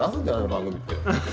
番組って。